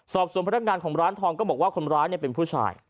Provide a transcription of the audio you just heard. สอบส่วนพนักงานของร้านทองก็บอกว่าคนร้ายเป็นผู้ชาย